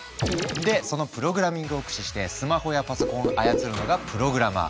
でそのプログラミングを駆使してスマホやパソコンを操るのがプログラマー。